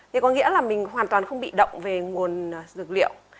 thì có nghĩa là mình hoàn toàn không bị động về nguồn dược liệu